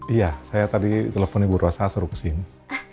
iya saya tadi telepon ibu rosa suruh kesini